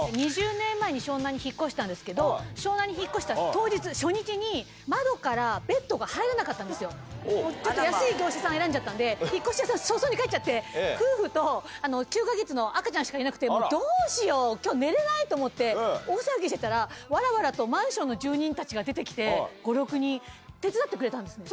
２０年前に湘南に引っ越したんですけど、湘南に引っ越した当日、初日に、窓からベッドが入らなかったんですよ、ちょっと安い業者さん、選んじゃったんで、引っ越し屋さん早々に帰っちゃって、夫婦と９か月の赤ちゃんしかいなくて、どうしよう、きょう寝れないと思って、大騒ぎしてたら、わらわらと、マンションの住人たちが出てきて、５、６人、手伝ってくれたんですね。